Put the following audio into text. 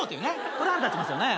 これ腹立ちますよね。